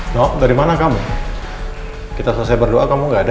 nok dari mana kamu kita selesai berdoa kamu gak ada